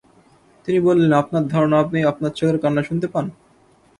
তিনি বললেন, আপনার ধারণা আপনি আপনার ছেলের কান্না শুনতে পান?